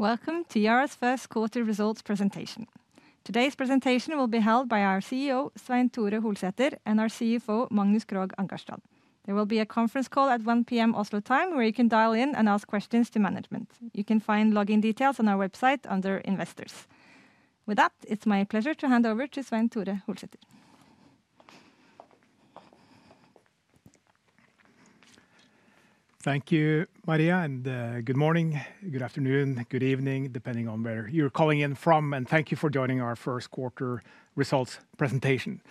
Welcome to Yara's first quarter results presentation. Today's presentation will be held by our CEO, Svein-Tore Holsether, and our CFO, Magnus Krogh Ankarstrand. There will be a conference call at 1:00 P.M. Oslo time, where you can dial in and ask questions to management. You can find login details on our website under Investors. With that, it's my pleasure to hand over to Svein-Tore Holsether. Thank you, Maria, and good morning, good afternoon, good evening, depending on where you're calling in from. Thank you for joining our first quarter results presentation.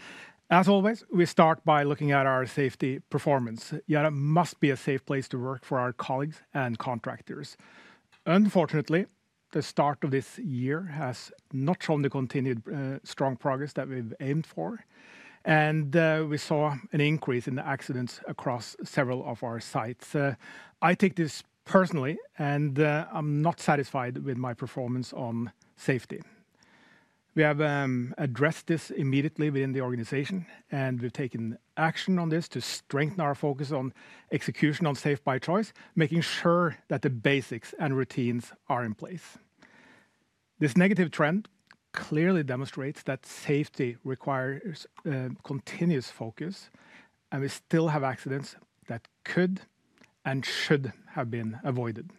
As always, we start by looking at our safety performance. Yara must be a safe place to work for our colleagues and contractors. Unfortunately, the start of this year has not shown the continued strong progress that we've aimed for, and we saw an increase in the accidents across several of our sites. I take this personally, and I'm not satisfied with my performance on safety. We have addressed this immediately within the organization, and we've taken action on this to strengthen our focus on execution on Safe by Choice, making sure that the basics and routines are in place. This negative trend clearly demonstrates that safety requires continuous focus, and we still have accidents that could and should have been avoided.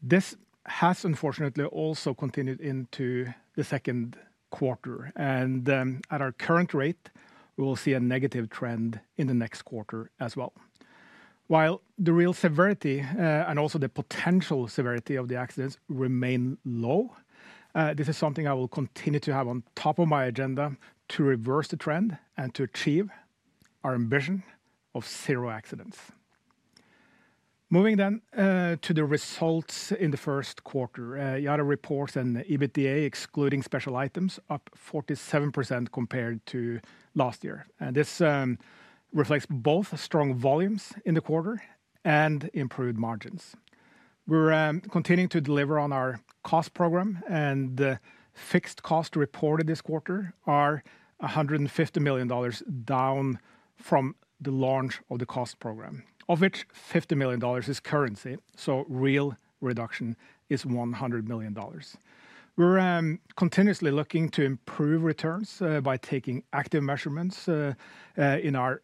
This has, unfortunately, also continued into the second quarter, and at our current rate, we will see a negative trend in the next quarter as well. While the real severity and also the potential severity of the accidents remain low, this is something I will continue to have on top of my agenda to reverse the trend and to achieve our ambition of zero accidents. Moving then to the results in the first quarter, Yara reports an EBITDA excluding special items up 47% compared to last year. This reflects both strong volumes in the quarter and improved margins. We are continuing to deliver on our cost program, and the fixed cost reported this quarter is $150 million down from the launch of the cost program, of which $50 million is currency. The real reduction is $100 million. We're continuously looking to improve returns by taking active measurements in our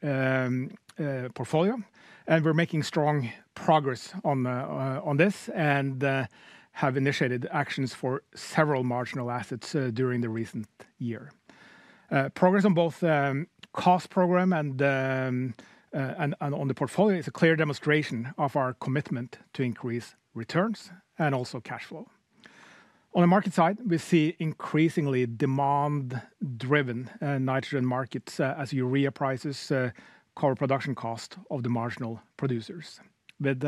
portfolio, and we're making strong progress on this, and have initiated actions for several marginal assets during the recent year. Progress on both the cost program and on the portfolio is a clear demonstration of our commitment to increase returns and also cash flow. On the market side, we see increasingly demand-driven nitrogen markets as urea prices cover production costs of the marginal producers. With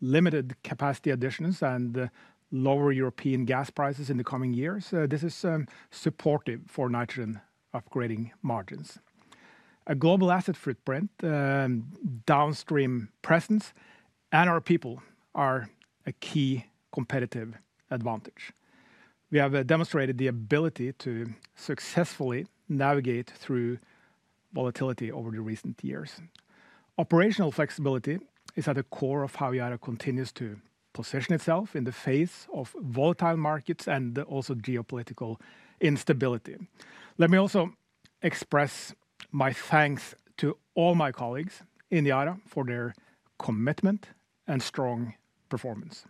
limited capacity additions and lower European gas prices in the coming years, this is supportive for nitrogen upgrading margins. A global asset footprint, downstream presence, and our people are a key competitive advantage. We have demonstrated the ability to successfully navigate through volatility over the recent years. Operational flexibility is at the core of how Yara continues to position itself in the face of volatile markets and also geopolitical instability. Let me also express my thanks to all my colleagues in Yara for their commitment and strong performance.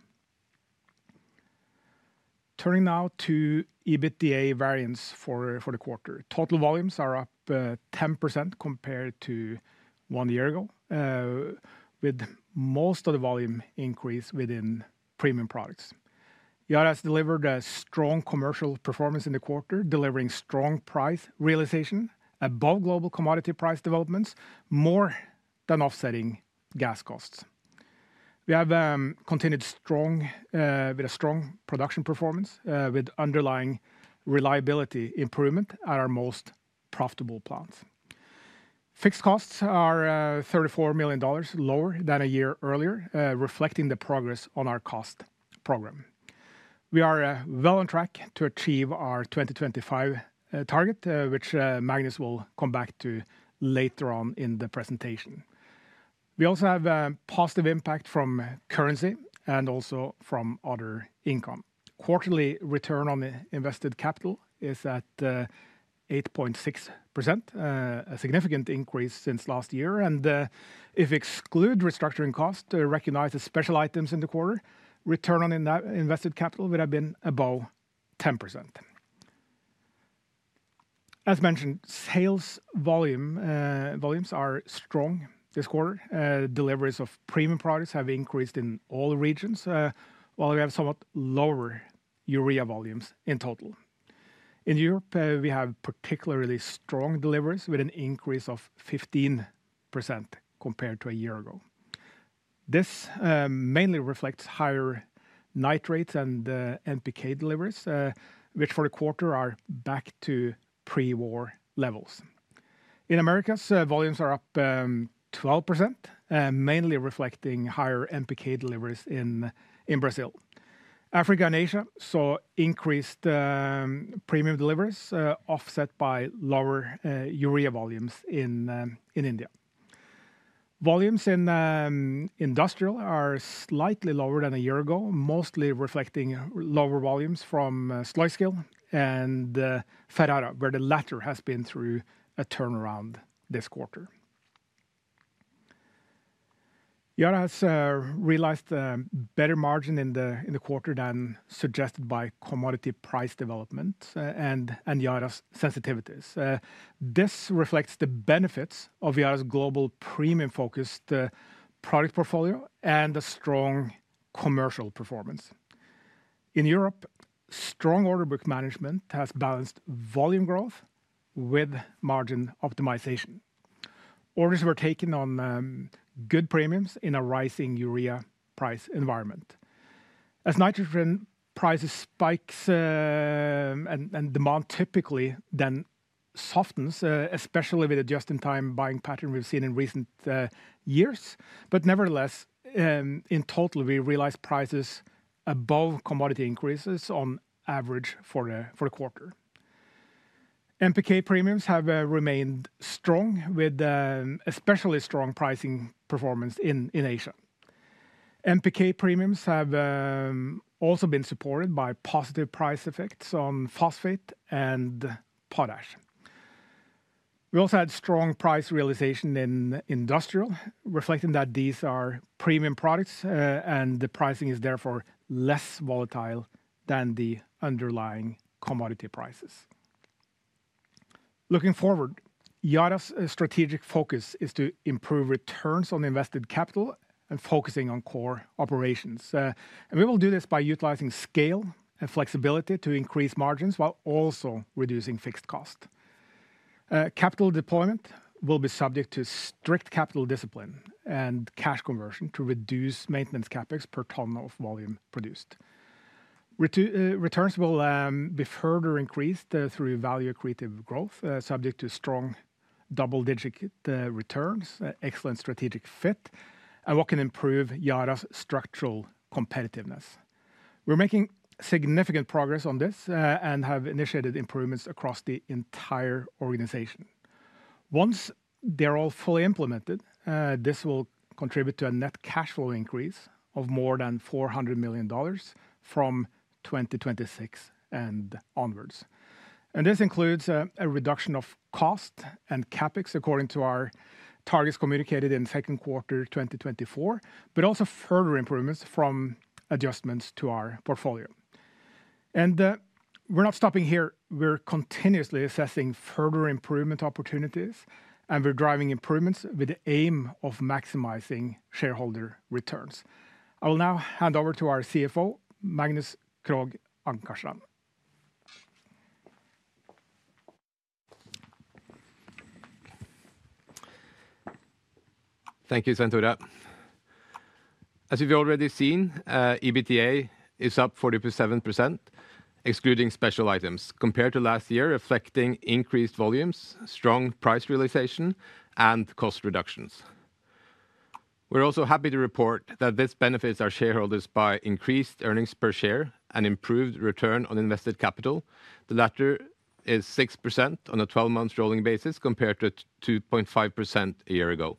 Turning now to EBITDA variance for the quarter, total volumes are up 10% compared to one year ago, with most of the volume increase within premium products. Yara has delivered a strong commercial performance in the quarter, delivering strong price realization above global commodity price developments, more than offsetting gas costs. We have continued with a strong production performance with underlying reliability improvement at our most profitable plants. Fixed costs are $34 million lower than a year earlier, reflecting the progress on our cost program. We are well on track to achieve our 2025 target, which Magnus will come back to later on in the presentation. We also have a positive impact from currency and also from other income. Quarterly return on invested capital is at 8.6%, a significant increase since last year. If we exclude restructuring costs, recognized as special items in the quarter, return on invested capital would have been above 10%. As mentioned, sales volumes are strong this quarter. Deliveries of premium products have increased in all regions, while we have somewhat lower urea volumes in total. In Europe, we have particularly strong deliveries with an increase of 15% compared to a year ago. This mainly reflects higher nitrates and NPK deliveries, which for the quarter are back to pre-war levels. In America, volumes are up 12%, mainly reflecting higher NPK deliveries in Brazil. Africa and Asia saw increased premium deliveries offset by lower urea volumes in India. Volumes in industrial are slightly lower than a year ago, mostly reflecting lower volumes from Sluiskil and Ferrara, where the latter has been through a turnaround this quarter. Yara has realized a better margin in the quarter than suggested by commodity price development and Yara's sensitivities. This reflects the benefits of Yara's global premium-focused product portfolio and a strong commercial performance. In Europe, strong order book management has balanced volume growth with margin optimization. Orders were taken on good premiums in a rising urea price environment. As nitrogen prices spike and demand typically then softens, especially with just-in-time buying pattern we've seen in recent years. Nevertheless, in total, we realized prices above commodity increases on average for the quarter. NPK premiums have remained strong, with especially strong pricing performance in Asia. NPK premiums have also been supported by positive price effects on phosphate and potash. We also had strong price realization in industrial, reflecting that these are premium products and the pricing is therefore less volatile than the underlying commodity prices. Looking forward, Yara's strategic focus is to improve returns on invested capital and focusing on core operations. We will do this by utilizing scale and flexibility to increase margins while also reducing fixed costs. Capital deployment will be subject to strict capital discipline and cash conversion to reduce maintenance capex per ton of volume produced. Returns will be further increased through value accretive growth, subject to strong double-digit returns, excellent strategic fit, and what can improve Yara's structural competitiveness. We're making significant progress on this and have initiated improvements across the entire organization. Once they're all fully implemented, this will contribute to a net cash flow increase of more than $400 million from 2026 and onwards. This includes a reduction of cost and capex according to our targets communicated in second quarter 2024, but also further improvements from adjustments to our portfolio. We are not stopping here. We are continuously assessing further improvement opportunities, and we are driving improvements with the aim of maximizing shareholder returns. I will now hand over to our CFO, Magnus Krogh Ankarstrand. Thank you, Svein-Tore. As we've already seen, EBITDA is up 47%, excluding special items, compared to last year, reflecting increased volumes, strong price realization, and cost reductions. We're also happy to report that this benefits our shareholders by increased earnings per share and improved return on invested capital. The latter is 6% on a 12-month rolling basis compared to 2.5% a year ago.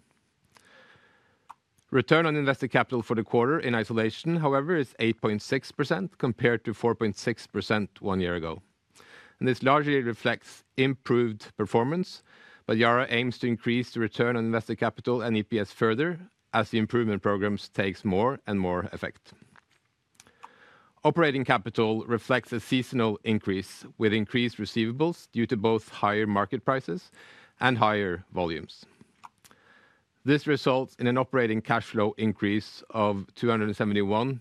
Return on invested capital for the quarter in isolation, however, is 8.6% compared to 4.6% one year ago. This largely reflects improved performance, but Yara aims to increase the return on invested capital and EPS further as the improvement programs take more and more effect. Operating capital reflects a seasonal increase with increased receivables due to both higher market prices and higher volumes. This results in an operating cash flow increase of $271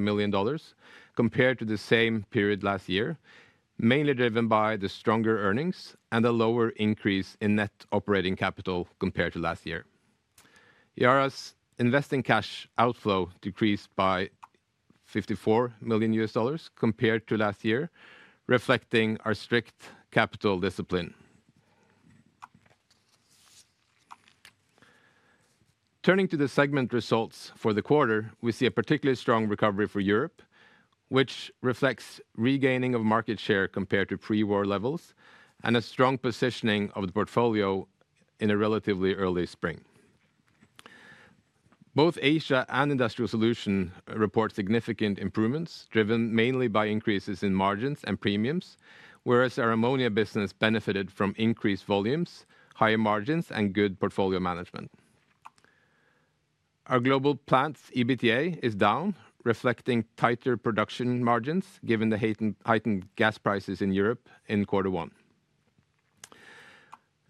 million compared to the same period last year, mainly driven by the stronger earnings and a lower increase in net operating capital compared to last year. Yara's investing cash outflow decreased by $54 million compared to last year, reflecting our strict capital discipline. Turning to the segment results for the quarter, we see a particularly strong recovery for Europe, which reflects regaining of market share compared to pre-war levels and a strong positioning of the portfolio in a relatively early spring. Both Asia and Industrial Solutions report significant improvements driven mainly by increases in margins and premiums, whereas our ammonia business benefited from increased volumes, higher margins, and good portfolio management. Our global plant's EBITDA is down, reflecting tighter production margins given the heightened gas prices in Europe in quarter one.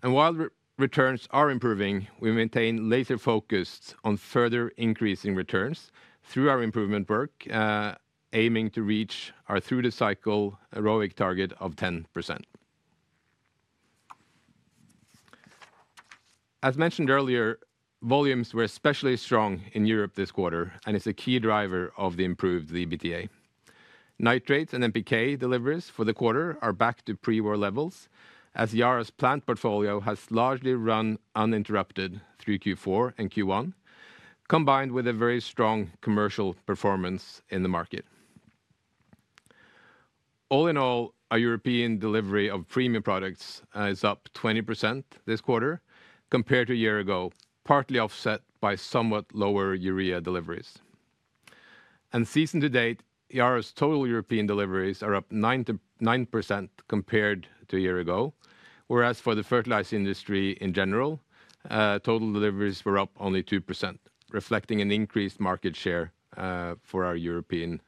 While returns are improving, we maintain laser-focused on further increasing returns through our improvement work, aiming to reach our through-the-cycle ROIC target of 10%. As mentioned earlier, volumes were especially strong in Europe this quarter, and it is a key driver of the improved EBITDA. Nitrates and NPK deliveries for the quarter are back to pre-war levels, as Yara's plant portfolio has largely run uninterrupted through Q4 and Q1, combined with a very strong commercial performance in the market. All in all, our European delivery of premium products is up 20% this quarter compared to a year ago, partly offset by somewhat lower urea deliveries. Season to date, Yara's total European deliveries are up 9% compared to a year ago, whereas for the fertilizer industry in general, total deliveries were up only 2%, reflecting an increased market share for our European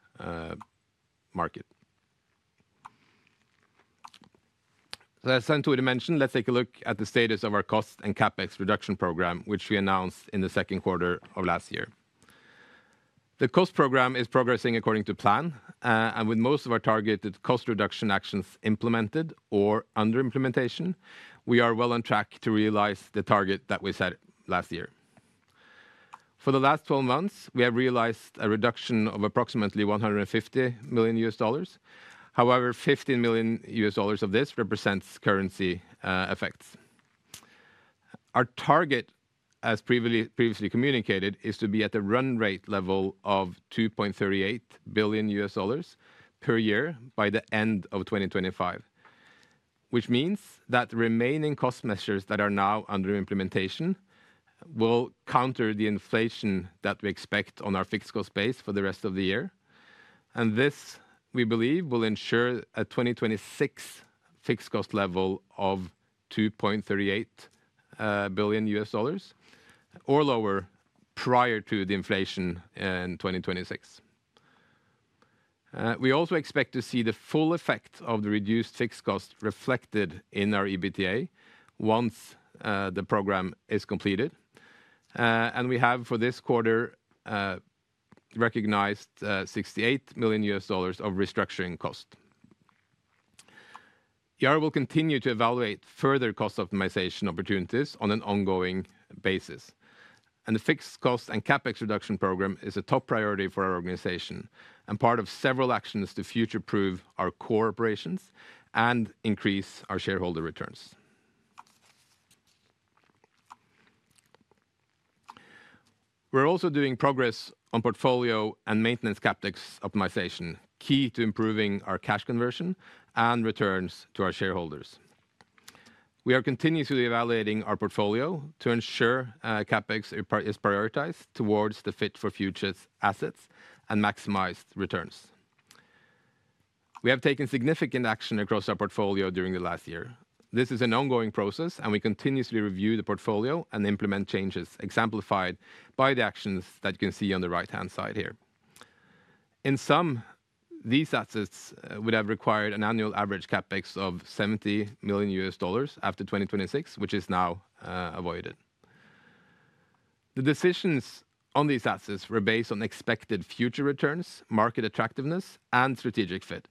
market. As Svein-Tore mentioned, let's take a look at the status of our cost and capex reduction program, which we announced in the second quarter of last year. The cost program is progressing according to plan, and with most of our targeted cost reduction actions implemented or under implementation, we are well on track to realize the target that we set last year. For the last 12 months, we have realized a reduction of approximately $150 million. However, $15 million of this represents currency effects. Our target, as previously communicated, is to be at a run rate level of $2.38 billion per year by the end of 2025, which means that remaining cost measures that are now under implementation will counter the inflation that we expect on our fixed cost base for the rest of the year. This, we believe, will ensure a 2026 fixed cost level of $2.38 billion US dollars or lower prior to the inflation in 2026. We also expect to see the full effect of the reduced fixed cost reflected in our EBITDA once the program is completed. We have for this quarter recognized $68 million US dollars of restructuring cost. Yara will continue to evaluate further cost optimization opportunities on an ongoing basis. The fixed cost and capex reduction program is a top priority for our organization and part of several actions to future-proof our core operations and increase our shareholder returns. We are also doing progress on portfolio and maintenance capex optimization, key to improving our cash conversion and returns to our shareholders. We are continuously evaluating our portfolio to ensure capex is prioritized towards the fit-for-futures assets and maximized returns. We have taken significant action across our portfolio during the last year. This is an ongoing process, and we continuously review the portfolio and implement changes exemplified by the actions that you can see on the right-hand side here. In sum, these assets would have required an annual average capex of $70 million after 2026, which is now avoided. The decisions on these assets were based on expected future returns, market attractiveness, and strategic fit.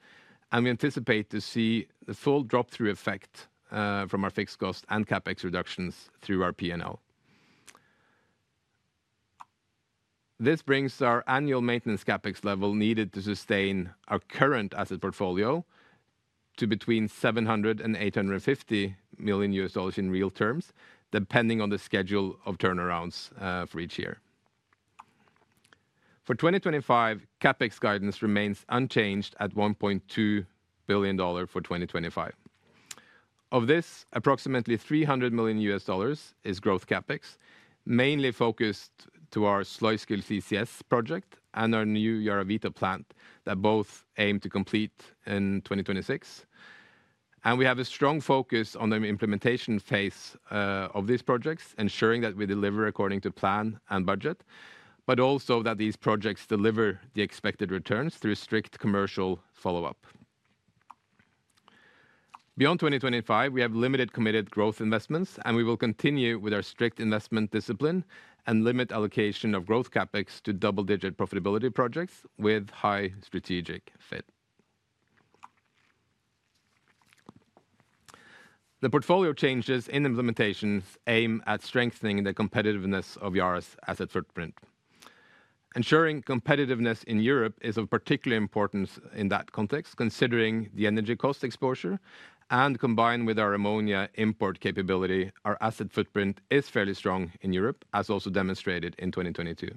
We anticipate to see the full drop-through effect from our fixed cost and capex reductions through our P&L. This brings our annual maintenance capex level needed to sustain our current asset portfolio to between $700-$850 million in real terms, depending on the schedule of turnarounds for each year. For 2025, capex guidance remains unchanged at $1.2 billion for 2025. Of this, approximately $300 million US dollars is growth CapEx, mainly focused to our Sluiskil CCS project and our new YaraVita plant that both aim to complete in 2026. We have a strong focus on the implementation phase of these projects, ensuring that we deliver according to plan and budget, but also that these projects deliver the expected returns through strict commercial follow-up. Beyond 2025, we have limited committed growth investments, and we will continue with our strict investment discipline and limit allocation of growth capex to double-digit profitability projects with high strategic fit. The portfolio changes in implementations aim at strengthening the competitiveness of Yara's asset footprint. Ensuring competitiveness in Europe is of particular importance in that context, considering the energy cost exposure, and combined with our ammonia import capability, our asset footprint is fairly strong in Europe, as also demonstrated in 2022.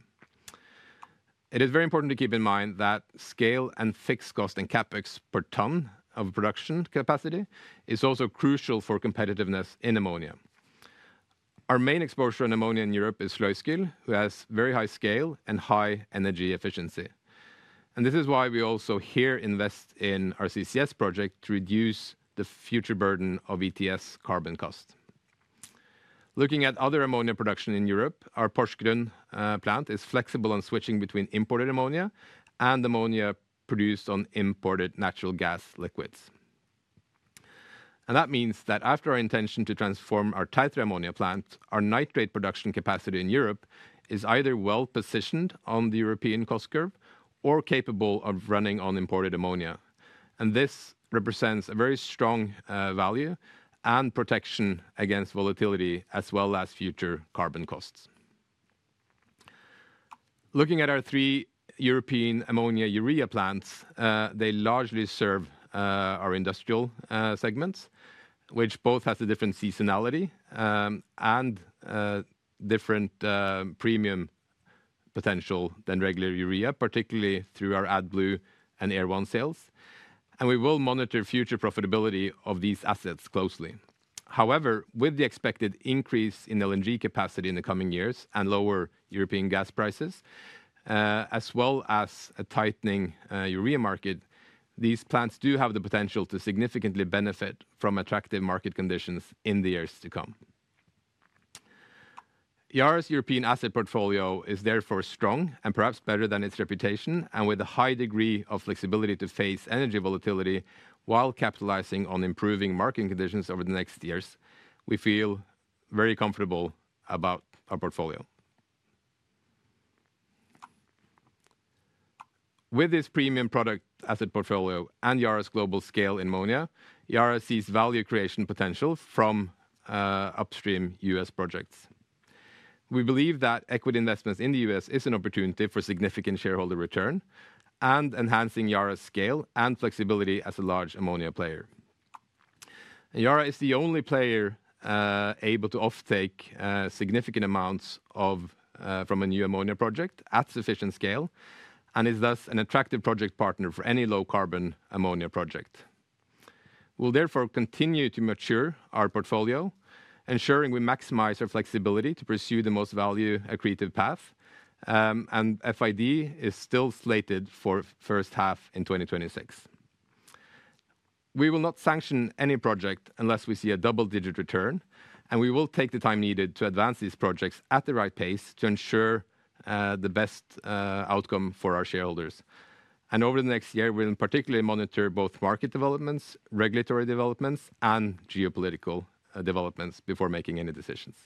It is very important to keep in mind that scale and fixed cost and capex per ton of production capacity is also crucial for competitiveness in ammonia. Our main exposure in ammonia in Europe is Sluiskil, who has very high scale and high energy efficiency. This is why we also here invest in our CCS project to reduce the future burden of ETS carbon costs. Looking at other ammonia production in Europe, our Porsgrunn plant is flexible on switching between imported ammonia and ammonia produced on imported natural gas liquids. That means that after our intention to transform our Tertre ammonia plant, our nitrate production capacity in Europe is either well positioned on the European cost curve or capable of running on imported ammonia. This represents a very strong value and protection against volatility as well as future carbon costs. Looking at our three European ammonia urea plants, they largely serve our industrial segments, which both have a different seasonality and different premium potential than regular urea, particularly through our AdBlue and Air1 sales. We will monitor future profitability of these assets closely. However, with the expected increase in LNG capacity in the coming years and lower European gas prices, as well as a tightening urea market, these plants do have the potential to significantly benefit from attractive market conditions in the years to come. Yara's European asset portfolio is therefore strong and perhaps better than its reputation, and with a high degree of flexibility to face energy volatility while capitalizing on improving marketing conditions over the next years, we feel very comfortable about our portfolio. With this premium product asset portfolio and Yara's global scale in ammonia, Yara sees value creation potential from upstream US projects. We believe that equity investments in the US is an opportunity for significant shareholder return and enhancing Yara's scale and flexibility as a large ammonia player. Yara is the only player able to offtake significant amounts from a new ammonia project at sufficient scale and is thus an attractive project partner for any low carbon ammonia project. We will therefore continue to mature our portfolio, ensuring we maximize our flexibility to pursue the most value-accretive path, and FID is still slated for the first half in 2026. We will not sanction any project unless we see a double-digit return, and we will take the time needed to advance these projects at the right pace to ensure the best outcome for our shareholders. Over the next year, we'll particularly monitor both market developments, regulatory developments, and geopolitical developments before making any decisions.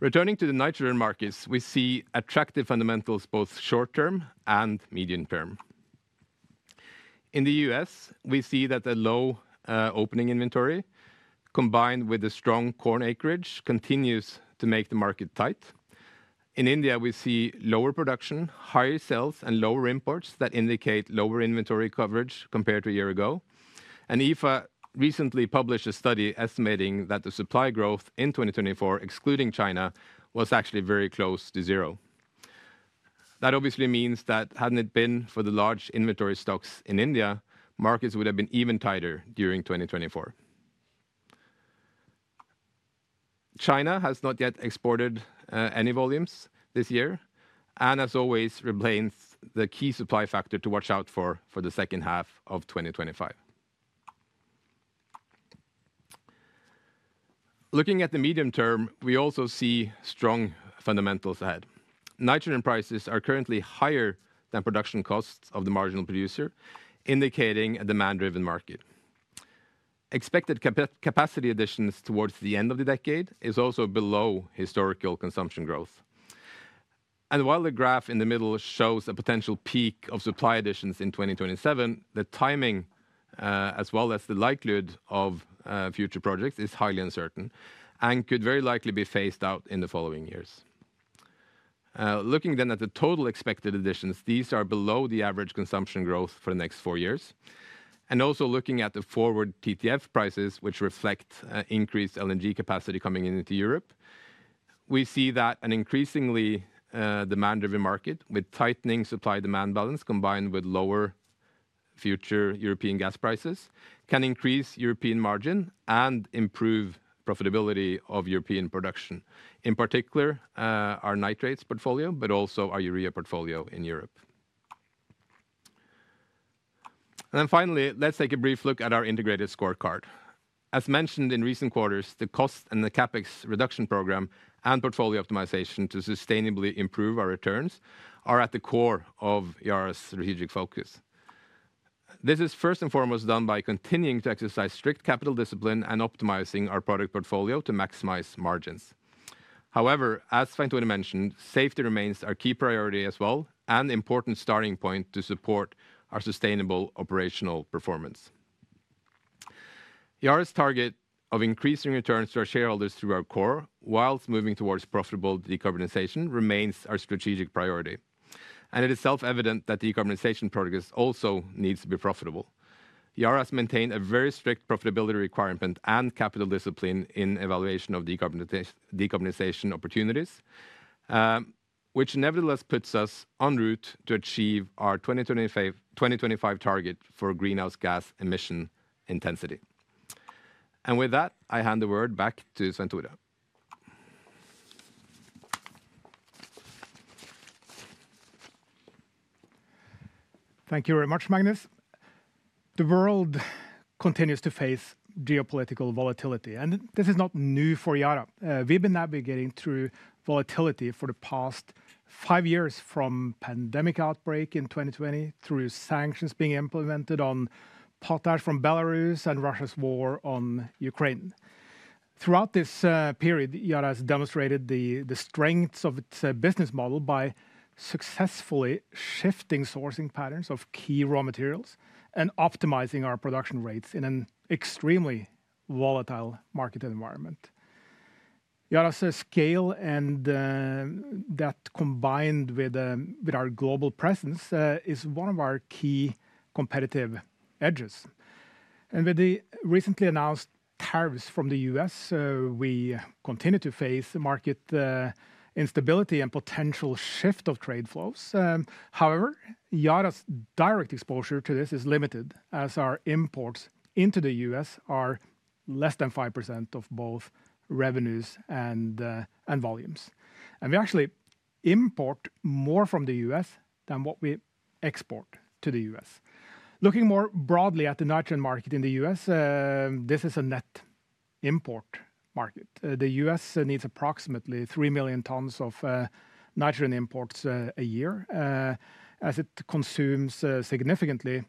Returning to the nitrogen markets, we see attractive fundamentals both short-term and medium-term. In the U.S., we see that the low opening inventory combined with the strong corn acreage continues to make the market tight. In India, we see lower production, higher sales, and lower imports that indicate lower inventory coverage compared to a year ago. IFA recently published a study estimating that the supply growth in 2024, excluding China, was actually very close to zero. That obviously means that had it not been for the large inventory stocks in India, markets would have been even tighter during 2024. China has not yet exported any volumes this year and, as always, remains the key supply factor to watch out for for the second half of 2025. Looking at the medium term, we also see strong fundamentals ahead. Nitrogen prices are currently higher than production costs of the marginal producer, indicating a demand-driven market. Expected capacity additions towards the end of the decade are also below historical consumption growth. While the graph in the middle shows a potential peak of supply additions in 2027, the timing, as well as the likelihood of future projects, is highly uncertain and could very likely be phased out in the following years. Looking then at the total expected additions, these are below the average consumption growth for the next four years. Also looking at the forward TTF prices, which reflect increased LNG capacity coming into Europe, we see that an increasingly demand-driven market with tightening supply-demand balance combined with lower future European gas prices can increase European margin and improve profitability of European production, in particular our nitrates portfolio, but also our urea portfolio in Europe. Finally, let's take a brief look at our integrated scorecard. As mentioned in recent quarters, the cost and the capex reduction program and portfolio optimization to sustainably improve our returns are at the core of Yara's strategic focus. This is first and foremost done by continuing to exercise strict capital discipline and optimizing our product portfolio to maximize margins. However, as Svein-Tore mentioned, safety remains our key priority as well and an important starting point to support our sustainable operational performance. Yara's target of increasing returns to our shareholders through our core whilst moving towards profitable decarbonization remains our strategic priority. It is self-evident that decarbonization progress also needs to be profitable. Yara has maintained a very strict profitability requirement and capital discipline in evaluation of decarbonization opportunities, which nevertheless puts us en route to achieve our 2025 target for greenhouse gas emission intensity. With that, I hand the word back to Svein-Tore. Thank you very much, Magnus. The world continues to face geopolitical volatility, and this is not new for Yara. We have been navigating through volatility for the past five years, from pandemic outbreak in 2020 through sanctions being implemented on partners from Belarus and Russia's war on Ukraine. Throughout this period, Yara has demonstrated the strengths of its business model by successfully shifting sourcing patterns of key raw materials and optimizing our production rates in an extremely volatile market environment. Yara's scale and that combined with our global presence is one of our key competitive edges. With the recently announced tariffs from the US, we continue to face market instability and potential shift of trade flows. However, Yara's direct exposure to this is limited, as our imports into the US are less than 5% of both revenues and volumes. We actually import more from the US than what we export to the US. Looking more broadly at the nitrogen market in the US, this is a net import market. The US needs approximately 3 million tons of nitrogen imports a year, as it consumes significantly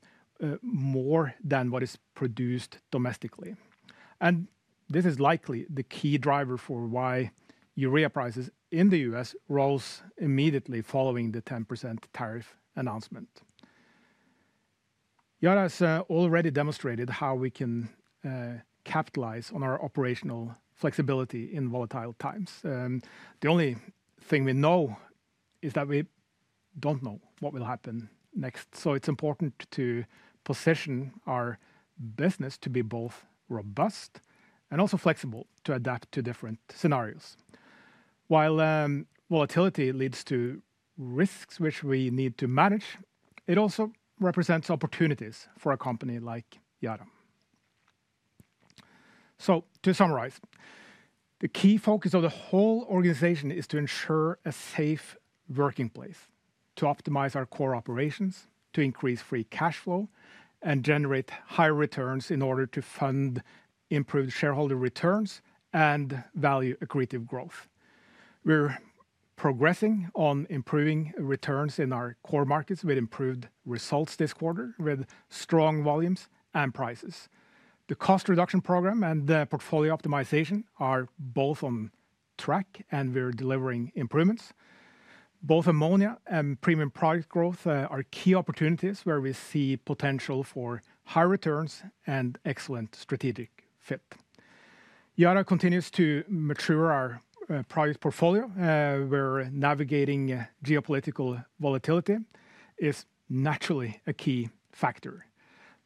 more than what is produced domestically. This is likely the key driver for why urea prices in the US rose immediately following the 10% tariff announcement. Yara has already demonstrated how we can capitalize on our operational flexibility in volatile times. The only thing we know is that we do not know what will happen next. It is important to position our business to be both robust and also flexible to adapt to different scenarios. While volatility leads to risks, which we need to manage, it also represents opportunities for a company like Yara. To summarize, the key focus of the whole organization is to ensure a safe working place, to optimize our core operations, to increase free cash flow, and generate high returns in order to fund improved shareholder returns and value-accretive growth. We're progressing on improving returns in our core markets with improved results this quarter, with strong volumes and prices. The cost reduction program and the portfolio optimization are both on track, and we're delivering improvements. Both ammonia and premium product growth are key opportunities where we see potential for high returns and excellent strategic fit. Yara continues to mature our product portfolio. We're navigating geopolitical volatility; it is naturally a key factor.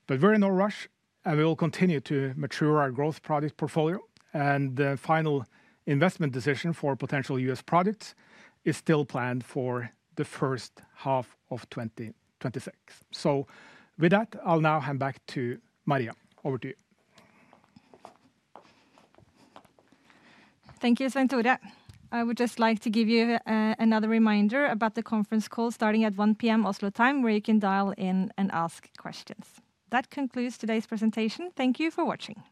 We are in no rush, and we will continue to mature our growth product portfolio. The final investment decision for potential US projects is still planned for the first half of 2026. With that, I'll now hand back to Maria. Over to you. Thank you, Svein-Tore. I would just like to give you another reminder about the conference call starting at 1:00 P.M. Oslo time, where you can dial in and ask questions. That concludes today's presentation. Thank you for watching.